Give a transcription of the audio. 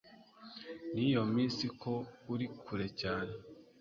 niyo minsi ko uri kure cyane